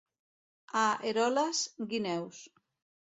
A Eroles, guineus.